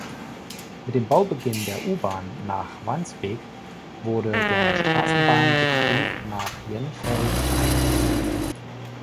Mit dem Baubeginn der U-Bahn nach Wandsbek wurde der Straßenbahnbetrieb nach Jenfeld eingestellt.